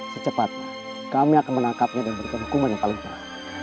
secepatnya kami akan menangkapnya dan berikan hukuman yang paling berat